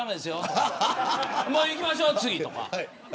次いきましょうとか。